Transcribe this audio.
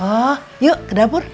oh yuk ke dapur